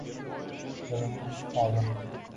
Yo‘limga tushib oldim.